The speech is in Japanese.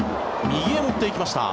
右へ持っていきました。